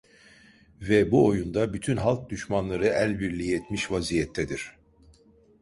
Ve bu oyunda bütün halk düşmanları elbirliği etmiş vaziyettedir.